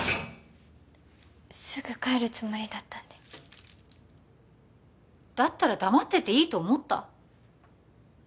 すぐ帰るつもりだったんでだったら黙ってていいと思った？